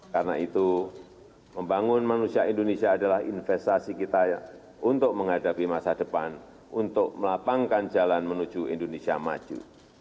karena itu membangun manusia indonesia adalah investasi kita untuk menghadapi masa depan untuk melapangkan jalan menuju indonesia maju